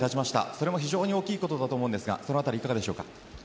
それも大きいことだと思うんですがそのあたり、いかがでしょうか？